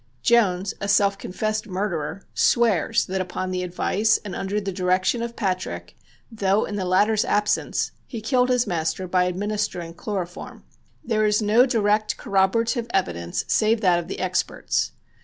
Jones, a self confessed murderer, swears that upon the advice and under the direction of Patrick (though in the latter's absence) he killed his master by administering chloroform. There is no direct corroborative evidence save that of the experts.